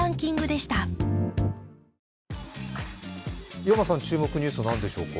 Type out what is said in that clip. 湯山さん、注目ニュースはなんでしょうか？